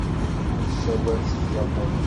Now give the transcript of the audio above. Ur ssawal s tjapunit.